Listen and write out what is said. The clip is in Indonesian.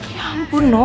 ya ampun noh